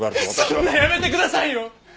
そんなやめてくださいよ！